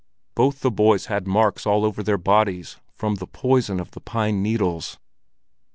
Both the boys had marks all over their bodies from the poison of the pine needles.